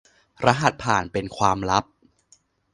รหัสผ่านเป็นความลับ